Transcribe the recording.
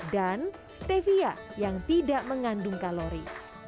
dan stevia yang tidak mengandung kalori